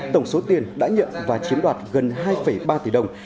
tổng số tiền đã nhận và chiếm đoạt gần hai ba tỷ đồng